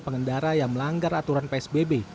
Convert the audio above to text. pengendara yang melanggar aturan psbb